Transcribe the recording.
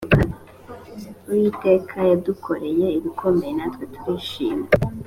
uwiteka yadukoreye ibikomeye natwe turishimye